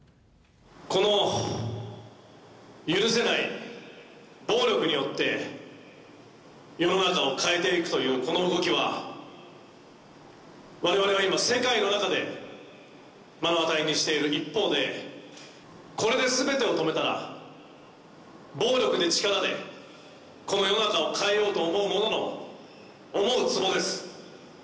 この許せない暴力によって、世の中を変えていくというこの動きは、われわれは今、世界の中で目の当たりにしている一方で、これですべてを止めたら、暴力で、力で、この世の中を変えようと思う者の思うつぼです。